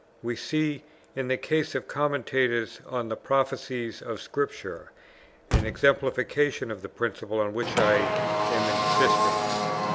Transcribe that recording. We see, in the case of commentators on the prophecies of Scripture, an exemplification of the principle on which I am insisting; viz.